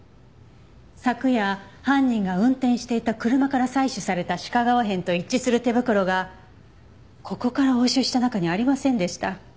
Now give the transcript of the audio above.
昨夜犯人が運転していた車から採取された鹿革片と一致する手袋がここから押収した中にありませんでした。